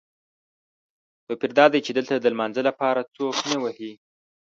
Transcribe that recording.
توپیر دادی چې دلته د لمانځه لپاره څوک نه وهي.